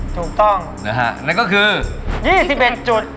ถูกต้องนะฮะนั่นก็คือ๒๑จุด